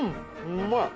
うまい。